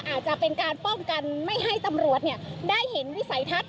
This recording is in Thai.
อาจจะเป็นการป้องกันไม่ให้ตำรวจได้เห็นวิสัยทัศน